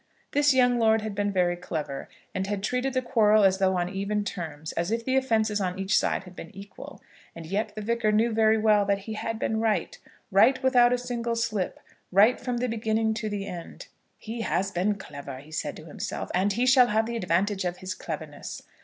This young lord had been very clever, and had treated the quarrel as though on even terms, as if the offences on each side had been equal. And yet the Vicar knew very well that he had been right, right without a single slip, right from the beginning to the end. "He has been clever," he said to himself, "and he shall have the advantage of his cleverness."